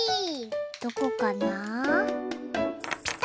どこかなあ？